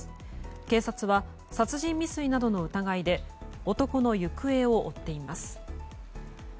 警察は殺人未遂などの疑いで男の行方を追っています。